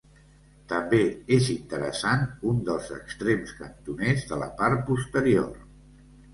També és interessant un dels extrems cantoners de la part posterior.